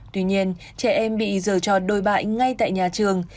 tuy nhiên trẻ em bị dờ trò đôi bại ngay tại nhà trường